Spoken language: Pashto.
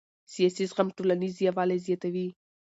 سیاسي زغم ټولنیز یووالی زیاتوي